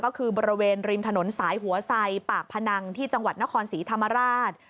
ก็คือบริเวณริมถนนสายหัวไซปากพนังที่จังหวัดนครศรีธรรมราช